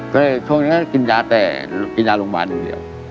ก็ช่วงนี้กินยาแต่กินยาโรงพยาบาลนึงเดียว